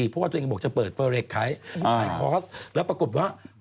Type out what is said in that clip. เพราะว่าตัวเองบอกจะเปิดเฟอร์เร็กซ์ไทยแล้วปรากฏว่า